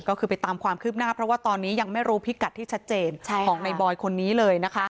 ก็คือไปตามความคืบหน้าเพราะว่าตอนนี้ยังไม่รู้พิกัดที่ชัดเจนของในบอยคนนี้เลยนะคะ